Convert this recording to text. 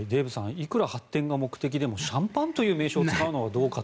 いくら発展が目的でもシャンパンという名称を使うのはどうかと。